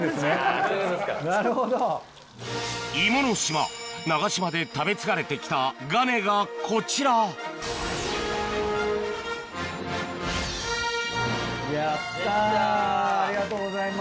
いもの島長島で食べ継がれてきたがねがこちらやったありがとうございます。